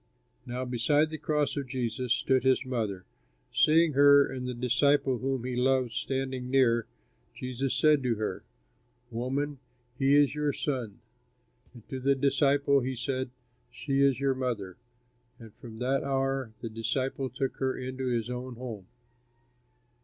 Now beside the cross of Jesus stood his mother. Seeing her and the disciple whom he loved standing near, Jesus said to her, "Woman, he is your son!" And to the disciple he said, "She is your mother!" And from that hour the disciple took her into his own home.